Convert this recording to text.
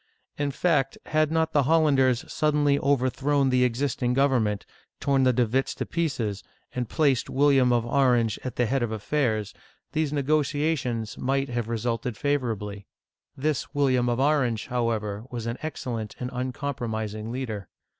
In fact, had not the Hollanders suddenly overthrown the existing government, torn the De Witts to pieces, and placed William of Orange Digitized by Google 340 OLD FRANCE at the head of affairs, these negotiations might have re sulted favorably. This William of Orange, however, was an excellent and uncompromising leader.